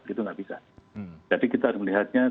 itu tidak bisa jadi kita melihatnya